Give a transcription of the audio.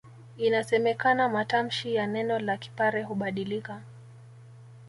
Inasemekana matamshi ya neno la Kipare hubadilika